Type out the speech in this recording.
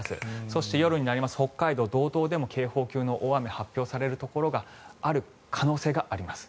そして夜になりますと北海道、道東でも警報級の大雨が降る可能性があります。